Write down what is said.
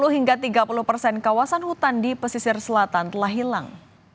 sepuluh hingga tiga puluh persen kawasan hutan di pesisir selatan telah hilang